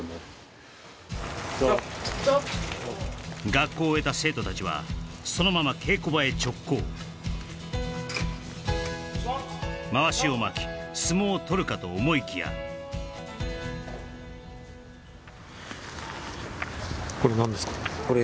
学校を終えた生徒たちはそのまま稽古場へ直行まわしを巻き相撲を取るかと思いきやこれ何ですか？